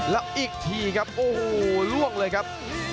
แล้วอีกทีครับโอ้โหล่วงเลยครับ